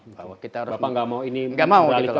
bapak nggak mau ini ke arah politik